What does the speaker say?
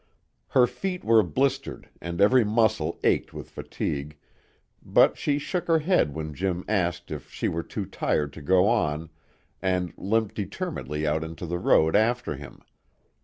Her feet were blistered and every muscle ached with fatigue, but she shook her head when Jim asked if she were too tired to go on, and limped determinedly out into the road after him.